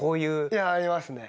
いやありますね。